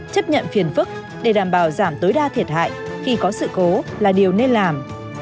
chấp nhận phiền phức để đảm bảo giảm tối đa thiệt hại khi có sự cố là điều nên làm